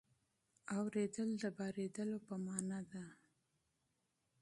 اورېدل د بارېدلو په مانا ده.